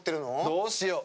どうしよう。